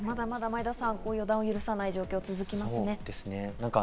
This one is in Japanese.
前田さん、まだまだ予断を許さない状況が続きますね。